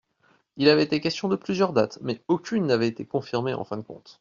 Il avait été question de plusieurs dates mais aucune n’avait été confirmée en fin de compte.